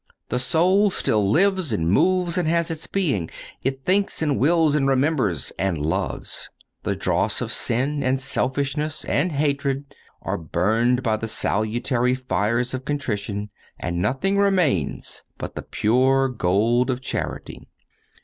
The soul still lives and moves and has its being. It thinks and wills and remembers and loves. The dross of sin and selfishness and hatred are burned by the salutary fires of contrition, and nothing remains but the pure gold of charity.